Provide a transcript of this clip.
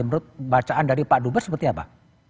menurut bacaan dari pak dubes seperti apa